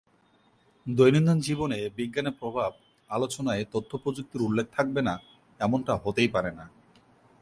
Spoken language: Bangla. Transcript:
দৈনন্দিন জীবনে বিজ্ঞানের প্রভাব আলোচনায় তথ্যপ্রযুক্তির উল্লেখ থাকবে না, এমনটা হতেই পারে না।